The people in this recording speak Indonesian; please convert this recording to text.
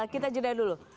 kita juda dulu